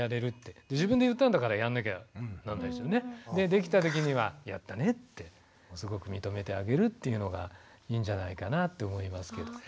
できた時には「やったね」ってすごく認めてあげるっていうのがいいんじゃないかなと思いますけどね。